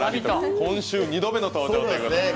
今週２度目の登場ということで。